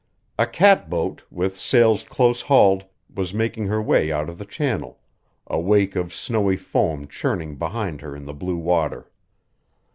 A catboat, with sails close hauled, was making her way out of the channel, a wake of snowy foam churning behind her in the blue water.